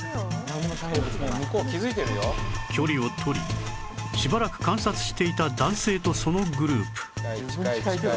距離を取りしばらく観察していた男性とそのグループ